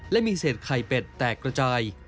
และมีเศษไข่เป็ดแตกกระจาย